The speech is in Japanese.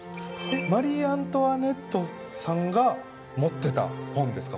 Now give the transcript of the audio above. マリー・アントワネットさんが持ってた本ですか？